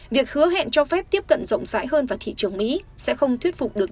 việc hứa hẹn cho phép tiếp cận rộng rãi hơn vào thị trường mỹ sẽ không thuyết phục được